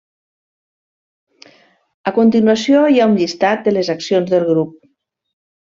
A continuació hi ha un llistat de les accions del grup.